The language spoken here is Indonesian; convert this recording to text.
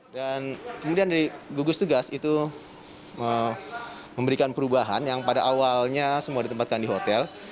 dan kemudian dari gugus tugas itu memberikan perubahan yang pada awalnya semua ditempatkan di hotel